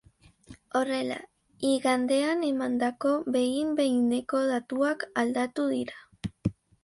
Horrela, igandean emandako behin-behineko datuak aldatu dira.